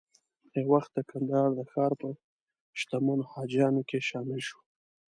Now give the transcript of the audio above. یو وخت د کندهار د ښار په شتمنو حاجیانو کې شامل شو.